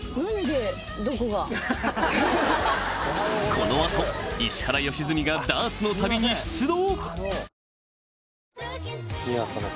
この後石原良純がダーツの旅に出動！